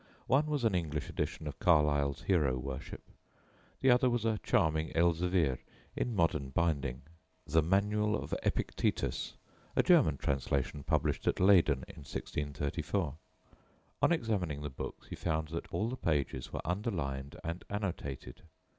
One was an English edition of Carlyle's "Hero worship"; the other was a charming elzevir, in modern binding, the "Manual of Epictetus," a German translation published at Leyden in 1634. On examining the books, he found that all the pages were underlined and annotated.